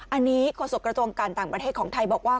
อันนี้โฆษกระทรวงการต่างประเทศของไทยบอกว่า